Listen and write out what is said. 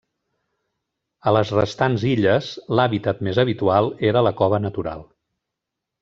A les restants illes, l'hàbitat més habitual era la cova natural.